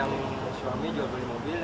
yang satu sebagai jual beli mobil ya